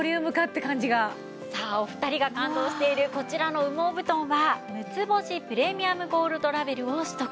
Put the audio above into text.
さあお二人が感動しているこちらの羽毛布団は６つ星プレミアムゴールドラベルを取得。